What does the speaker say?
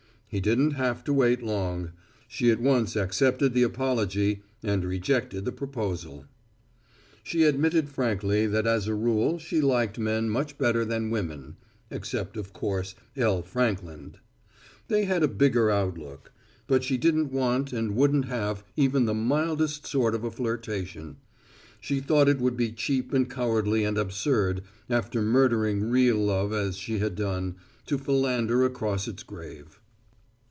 He didn't have to wait long. She at once accepted the apology and rejected the proposal. She admitted frankly that as a rule she liked men much better than women (except, of course, L. Frankland). They had a bigger outlook. But she didn't want and wouldn't have even the mildest sort of a flirtation. She thought it would be cheap and cowardly and absurd, after murdering real love as she had done, to philander across its grave.